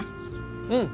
うん。